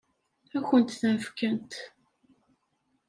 Ad kent-ten-fkent?